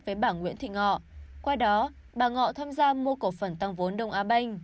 với bảng nguyễn thị ngọ qua đó bảng ngọ tham gia mua cổ phần tăng vốn đông á banh